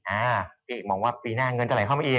อ่าพี่มองว่าปีหน้าเงินจะไหลเข้ามาอีก